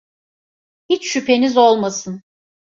Hiç şüpheniz olmasın.